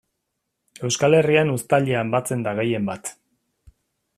Euskal Herrian uztailean batzen da gehien bat.